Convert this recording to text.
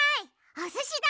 おすしだ！